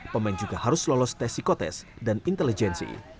pemain juga harus lolos tesikotest dan intelijensi